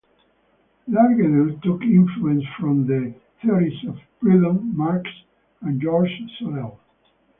Lagardelle took influence from the theories of Proudhon, Marx and Georges Sorel.